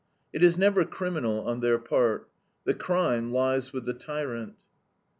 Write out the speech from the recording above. It is never criminal on their part. The crime lies with the tyrant."